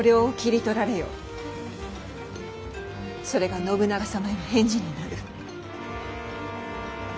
それが信長様への返事になる。